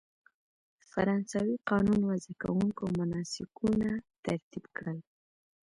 فرانسوي قانون وضع کوونکو مناسکونه ترتیب کړل.